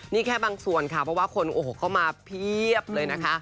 นี่แค่บางส่วนค่ะเพราะว่าคนโอ้โหเข้ามาเพียบเลยนะคะ